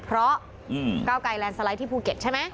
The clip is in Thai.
เพราะก้าวไกลแลนด์สไลด์ที่ภูเก็ตใช่ไหม